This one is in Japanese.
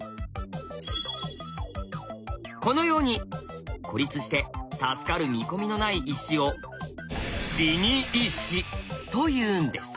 このように孤立して助かる見込みのない石を死に石というんです。